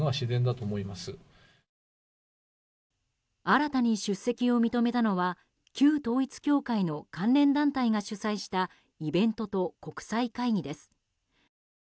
新たに出席を認めたのは旧統一教会の関連団体が主催したイベントと国際会議です。